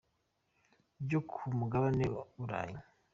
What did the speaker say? byo ku mugabane Burayi.